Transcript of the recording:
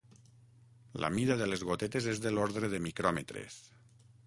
La mida de les gotetes és de l'ordre de micròmetres.